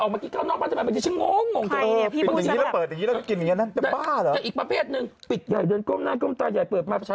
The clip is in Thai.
เป็ดใหญ่เดินกลมหน้ากลมตาใหญ่เปิดมา